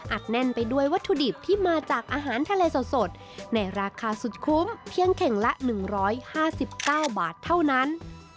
แน่นไปด้วยวัตถุดิบที่มาจากอาหารทะเลสดในราคาสุดคุ้มเพียงเข่งละ๑๕๙บาทเท่านั้น